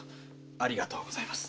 ありがとうございます。